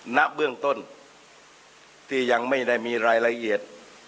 ณเบื้องต้นที่ยังไม่ได้มีรายละเอียด